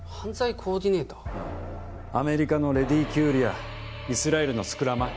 うんアメリカのレディーキュールやイスラエルのスクラマ